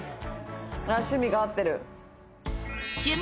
あっ趣味が合ってる。